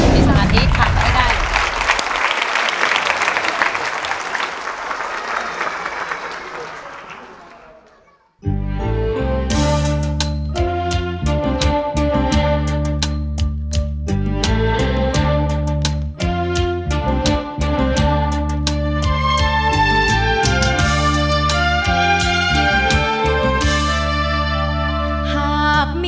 พี่สมาธิถามได้ได้เลยครับ